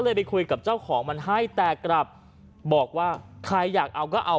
ไปคุยกับเจ้าของมันให้แต่กลับบอกว่าใครอยากเอาก็เอา